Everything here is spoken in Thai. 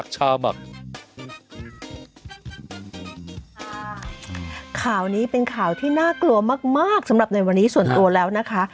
ข่าวนี้เป็นข่าวที่น่ากลัวมากสำหรับในวันนี้ส่วนตัวแล้วนะคะ